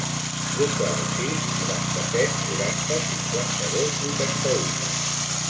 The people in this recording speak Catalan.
Truca al sis, noranta-set, quaranta, cinquanta-dos, vuitanta-u.